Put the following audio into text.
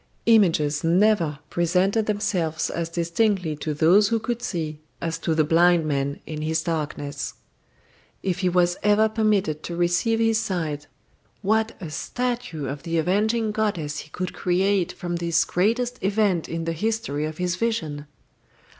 Images never presented themselves as distinctly to those who could see as to the blind man in his darkness. If he was ever permitted to receive his sight, what a statue of the avenging goddess he could create from this greatest event in the history of his vision!